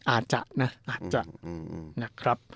อ่าจะนะอ่าจะนะครับ